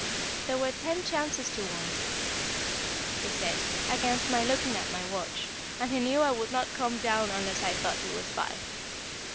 There were ten chances to one, he said, against my looking at my watch, and he knew I would not come down unless I thought it was five.